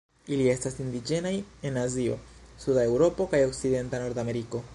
Ili estas indiĝenaj en Azio, suda Eŭropo kaj okcidenta Nordameriko.